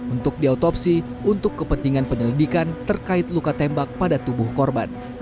untuk diotopsi untuk kepentingan penyelidikan terkait luka tembak pada tubuh korban